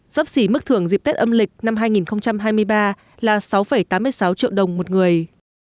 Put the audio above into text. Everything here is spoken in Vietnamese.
sấp xỉ mức thưởng dịp tết âm lịch năm hai nghìn hai mươi ba là sáu tám mươi sáu triệu đồng một người